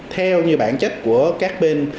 theo như bản chất của các bên